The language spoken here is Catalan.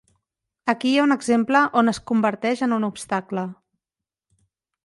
Aquí hi ha un exemple on es converteix en un obstacle.